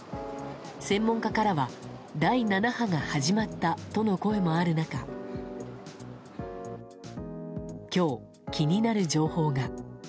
専門家からは第７波が始まったとの声もある中今日、気になる情報が。